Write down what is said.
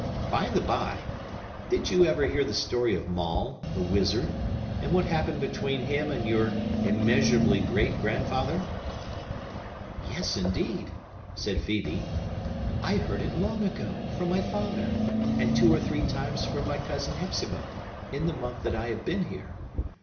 By the bye, did you ever hear the story of Maule, the wizard, and what happened between him and your immeasurably great grandfather?" "Yes, indeed!" said Phœbe; "I heard it long ago, from my father, and two or three times from my cousin Hepzibah, in the month that I have been here.